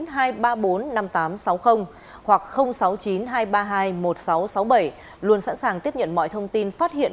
cơ quan công an sáu mươi chín hai trăm ba mươi bốn năm nghìn sáu trăm sáu mươi bảy luôn sẵn sàng tiếp nhận mọi thông tin phát hiện